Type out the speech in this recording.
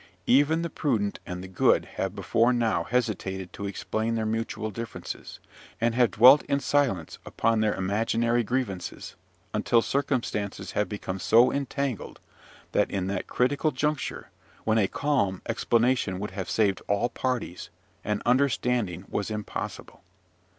Even the prudent and the good have before now hesitated to explain their mutual differences, and have dwelt in silence upon their imaginary grievances, until circumstances have become so entangled, that in that critical juncture, when a calm explanation would have saved all parties, an understanding was impossible.